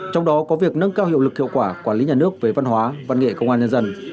trong đó có việc nâng cao hiệu lực hiệu quả quản lý nhà nước về văn hóa văn nghệ công an nhân dân